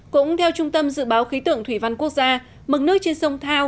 cũng theo trung tâm dự báo khí tượng thủy văn quốc gia